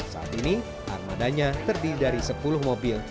saat ini armadanya terdiri dari sepuluh mobil